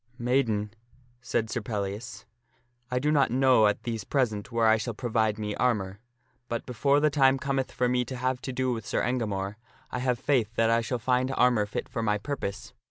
" Maiden," said Sir Pellias, " I do not know at these present where I shall provide me armor ; but before the time cometh for me to have to do with Sir Engamore, I have faith that I shall find armor fit for my purpose.